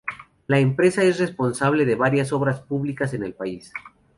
La empresa es responsable de varias obras públicas en el país.